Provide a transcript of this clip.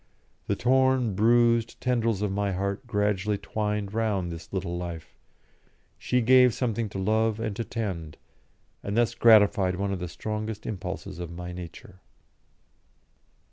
The torn, bruised tendrils of my heart gradually twined round this little life; she gave something to love and to tend, and thus gratified one of the strongest impulses of my nature.